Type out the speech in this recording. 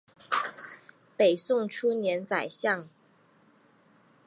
北宋初年宰相。